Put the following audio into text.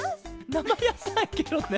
なまやさいケロね！